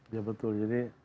ya betul jadi